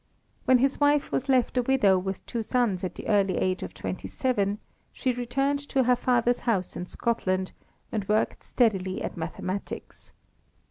When his wife was left a widow with two sons at the early age of twenty seven, she returned to her father's house in Scotland, and worked steadily at mathematics.